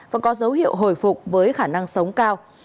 và có dấu hiệu hồi phục với khả năng sống cao